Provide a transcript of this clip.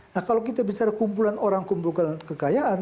nah kalau kita bicara kumpulan orang kumpulan kekayaan